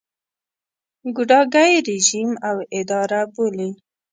ګوډاګی رژیم او اداره بولي.